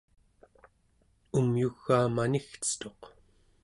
umyugaa manigcetuq